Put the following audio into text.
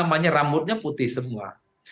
namanya rambutnya putih semua